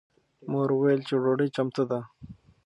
مور وویل چې ډوډۍ چمتو ده.